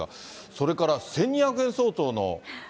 それから１２００円相当の。